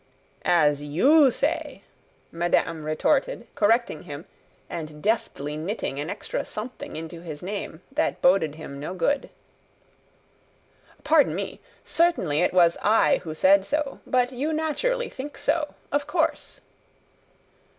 "As you say," madame retorted, correcting him, and deftly knitting an extra something into his name that boded him no good. "Pardon me; certainly it was I who said so, but you naturally think so. Of course."